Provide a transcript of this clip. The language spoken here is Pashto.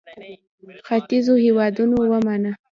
ختیځو هېوادونو ومانه.